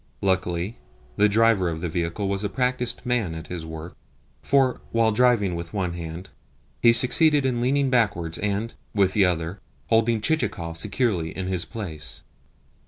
Luckily the driver of the vehicle was a practised man at his work, for, while driving with one hand, he succeeded in leaning backwards and, with the other, holding Chichikov securely in his place.